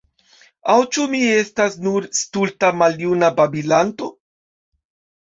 Aŭ ĉu mi estas nur stulta maljuna babilanto?